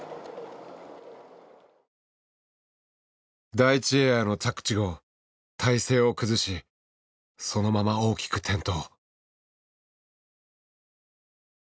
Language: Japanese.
第１エアの着地後体勢を崩しそのまま大きく転倒。